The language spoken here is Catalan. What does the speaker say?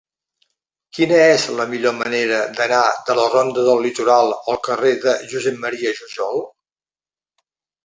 Quina és la millor manera d'anar de la ronda del Litoral al carrer de Josep M. Jujol?